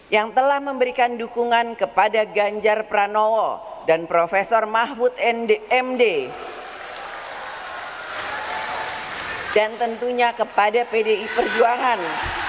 yang telah memberikan dukungan kepada ganjar pranowo dan prof mahfud mdmd dan tentunya kepada pdi perjuangan